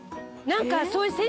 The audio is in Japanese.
何か。